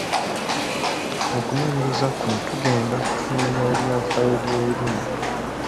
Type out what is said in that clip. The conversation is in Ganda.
Mu kunoonyereza kuno tugenda kutunuulira ebyafaayo by'olulimi.